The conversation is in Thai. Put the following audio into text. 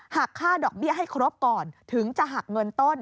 หักค่าดอกเบี้ยให้ครบก่อนถึงจะหักเงินต้น